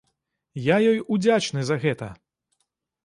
Я ёй удзячны за гэта.